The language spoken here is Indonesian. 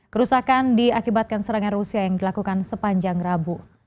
kerusakan diakibatkan serangan rusia yang dilakukan sepanjang rabu